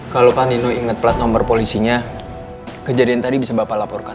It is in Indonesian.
kalo panino inget plat nomor polisinya kejadian tadi bisa bapak laporkan